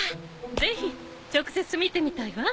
ぜひ直接見てみたいわ。